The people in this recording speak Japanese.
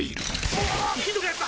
うわひどくなった！